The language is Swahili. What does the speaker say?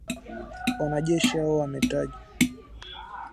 Wanajeshi hao wametajwa